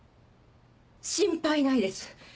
心配ないです。